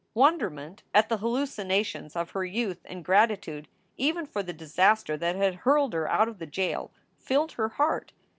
Wonderment at the hallucinations of her youth and grati tude even for the disaster that had hurled her out of the jail filled her heart.